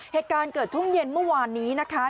เหตุการณ์เกิดช่วงเย็นเมื่อวานนี้นะคะ